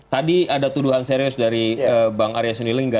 tadi ada tuduhan serius dari bang arya sunilengga